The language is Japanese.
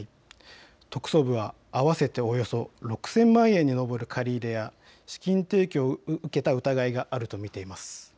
特捜部は合わせておよそ６０００万円に上る借り入れや資金提供を受けた疑いがあると見ています。